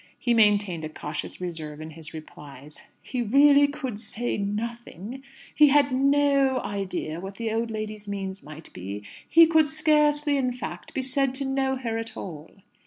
He maintained a cautious reserve in his replies: "He really could say nothing; he had no idea what the old lady's means might be; he could scarcely, in fact, be said to know her at all."